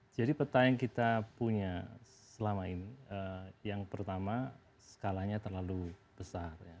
jadi peta yang kita punya selama ini yang pertama skalanya terlalu besar ya